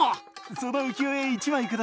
その浮世絵１枚下さい。